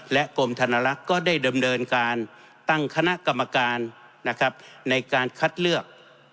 กรมธนลักษณ์ก็ได้ดำเนินการตั้งคณะกรรมการนะครับในการคัดเลือก